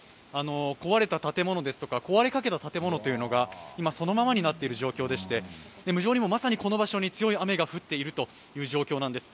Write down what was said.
壊れた建物ですとか壊れかけた建物がそのままになっている状況でして無情にもまさにこの場所に強い雨が降っているという状況なんです。